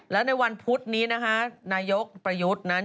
และในวันพุธนี้นะคะนายกประยุทธ์นั้น